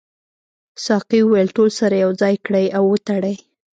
ساقي وویل ټول سره یو ځای کړئ او وتړئ.